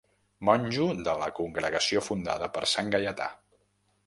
Monjo de la congregació fundada per sant Gaietà.